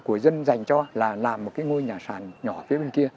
của dân dành cho là làm một cái ngôi nhà sàn nhỏ phía bên kia